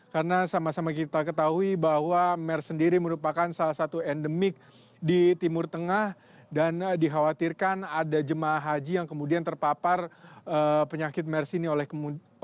karena sama sama kita ketahui bahwa mers sendiri merupakan salah satu endemik di timur tengah dan dikhawatirkan ada jemaah haji yang kemudian terpapar penyakit mers ini oleh kemudian